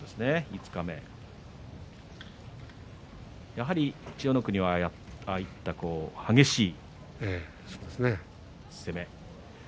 五日目やはり千代の国が激しい相撲、激しい攻め